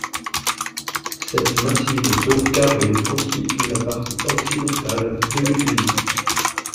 Cette massive tour carrée constitue la partie occidentale de l'église.